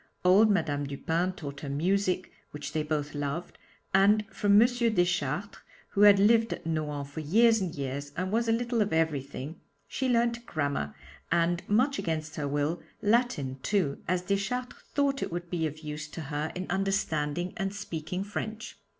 Old Madame Dupin taught her music, which they both loved, and from M. Deschartres who had lived at Nohant for years and years and was a little of everything she learnt grammar, and, much against her will, Latin too, as Deschartres thought it would be of use to her in understanding and speaking French.